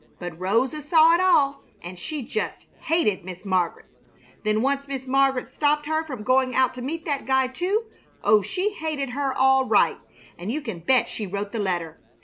But Rosa saw it all, and she just hated Miss Mar'get. Then once Miss Mar'get stopped her from going out to meet that guy, too. Oh, she hated her, all right! And you can bet she wrote the letter!